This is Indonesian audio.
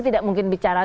tidak mungkin bicara